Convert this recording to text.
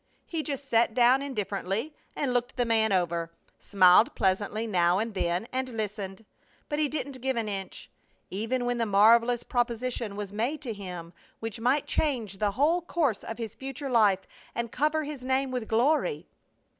He just sat down indifferently and looked the man over; smiled pleasantly now and then, and listened; but he didn't give an inch. Even when the marvelous proposition was made to him which might change the whole course of his future life and cover his name with glory